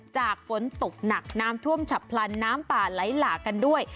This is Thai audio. จากฝนตกหนักน้ำท่วมฉับพลันน้ำป่าไหลหลากกันด้วย